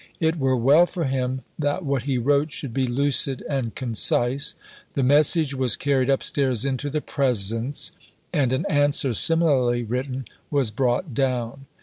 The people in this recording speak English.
It were well for him that what he wrote should be lucid and concise. The message was carried upstairs into the Presence, and an answer, similarly written, was brought down.